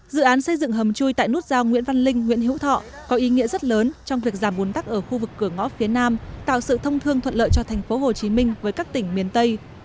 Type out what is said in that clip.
dự án xây dựng hầm chui tại nút giao nguyễn văn linh huyện hữu thọ có ý nghĩa rất lớn trong việc giảm bùn tắc ở khu vực cửa ngõ phía nam tạo sự thông thương thuận lợi cho tp hcm với các tỉnh miền tây